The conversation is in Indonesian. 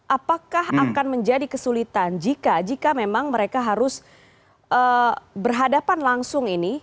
apakah akan menjadi kesulitan jika memang mereka harus berhadapan langsung ini